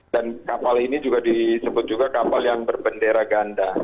dan kapal ini disebut juga kapal yang berbendera ganda